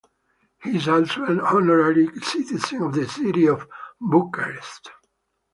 He is also an honorary citizen of the city of Bucharest.